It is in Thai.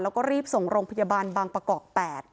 แล้วก็รีบส่งโรงพยาบาลบางประกอบ๘